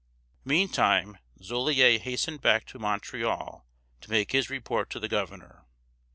Meantime, Joliet hastened back to Montreal to make his report to the governor.